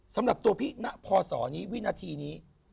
สำหรับตัวพี่ณพศนี้วินาทีนี้